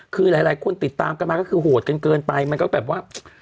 คือหลายคนติดตามกันมาก็คือโหดกันเกินไปมันก็แบบว่า